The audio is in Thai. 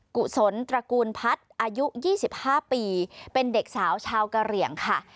กุศลตระกูลพัดอายุยี่สิบห้าปีเป็นเด็กสาวเช้ากะเหลี่ยงค่ะ